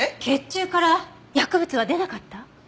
血中から薬物は出なかった？